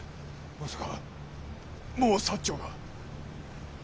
まさかもう長が。